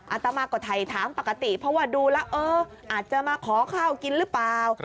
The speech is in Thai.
อาตมาก็ถ่ายถามปกติเพราะว่าดูแล้วเอออาจจะมาขอข้าวกินหรือเปล่า